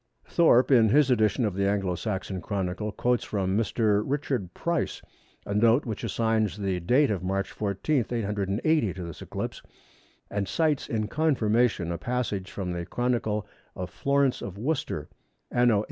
Thorpe in his edition of the Anglo Saxon Chronicle quotes from Mr. Richard Price a note which assigns the date of March 14, 880, to this eclipse, and cites in confirmation a passage from the Chronicle of Florence of Worcester, anno 879.